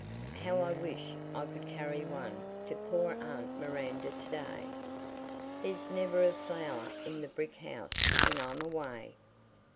How I wish I could carry one to poor aunt Miranda to day! There's never a flower in the brick house when I'm away."